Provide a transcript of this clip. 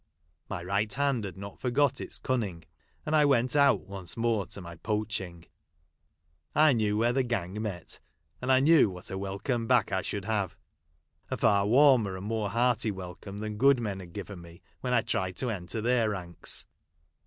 My right hand had not forgot its cunning ; and I went out once more to my poaching. I knew where the gang met ; and I knew what a welcome back I should have, — a far warmer and more hearty welcome than good men had given me when I tried to enter their ranks.